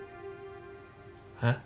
えっ？